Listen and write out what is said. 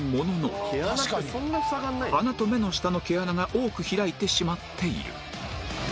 鼻と目の下の毛穴が多く開いてしまっている